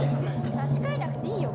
差し替えなくていいよ